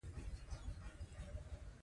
له اوسنیو ګډوډیو مخنیوی وشي.